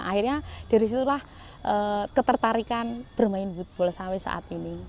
akhirnya dari situlah ketertarikan bermain woodball sawi saat ini